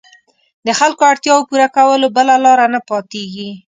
د خلکو اړتیاوو پوره کولو بله لاره نه پاتېږي.